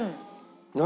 何？